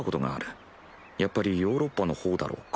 やっぱりヨーロッパのほうだろうか？